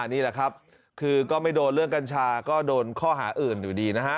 นี่แหละครับคือก็ไม่โดนเรื่องกัญชาก็โดนข้อหาอื่นอยู่ดีนะฮะ